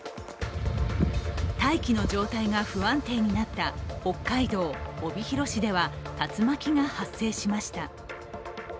大気の状態が不安定になった北海道帯広市では竜巻が発生しました。